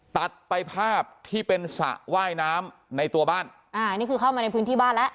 ตัดไปภาพที่เป็นสระว่ายน้ำในตัวบ้านอ่านี่คือเข้ามาในพื้นที่บ้านแล้ว